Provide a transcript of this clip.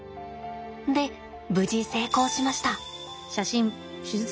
で無事成功しました。